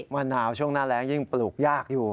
มะนาวช่วงหน้าแรงยิ่งปลูกยากอยู่